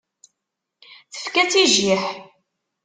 Tefka-tt i jjiḥ.